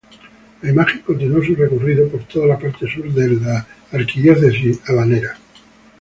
La imagen continuó su recorrido por toda la parte sur de la Arquidiócesis Habanera.